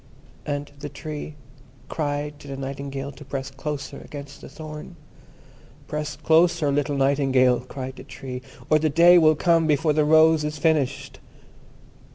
And the Tree cried to the Nightingale to press closer against the thorn. "Press closer, little Nightingale," cried the Tree, "or the Day will come before the rose is finished."